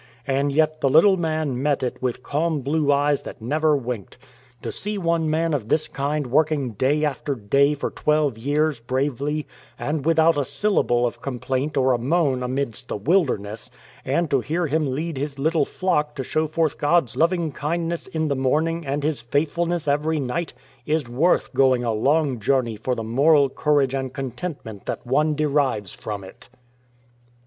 And yet the little man met it with calm blue eyes that never winked. To see 114 MACKAY'S DEATH one man of this kind working day after day for twelve years bravely, and without a syllable of complaint or & moan amid the ' wildernesses,' and to hear him lead his little flock to show forth God's loving kindness in the morning and His faithfulness every night, is worth going a long journey for the moral courage and contentment that one derives from it."